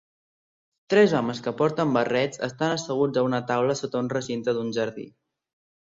Tres homes que porten barrets estan asseguts a una taula sota un recinte d'un jardí.